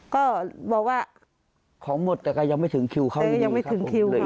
ก็บอกว่าของหมดแต่ก็ยังไม่ถึงคิวเขายังไม่ถึงคิวเลย